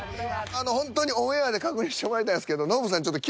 ほんとにオンエアで確認してもらいたいんですけどはい。